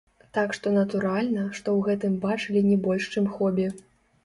Так што натуральна, што ў гэтым бачылі не больш чым хобі.